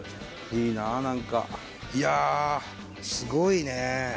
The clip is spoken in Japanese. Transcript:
いいな何かいやすごいねぇ。